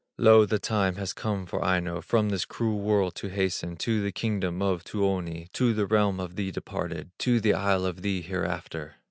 Lo! the time has come for Aino From this cruel world to hasten, To the kingdom of Tuoni, To the realm of the departed, To the isle of the hereafter.